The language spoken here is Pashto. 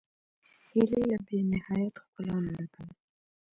هیلۍ له بېنهایت ښکلا نه ډکه ده